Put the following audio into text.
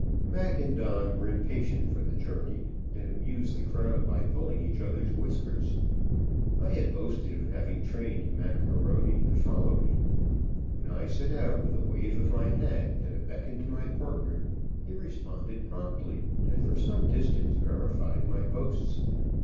Mac and Don were impatient for the journey, and amused the crowd by pulling each other's whiskers. I had boasted of having trained Mac A'Rony to follow me. When I set out with a wave of my hat and a beckon to my partner, he responded promptly, and for some distance verified my boasts.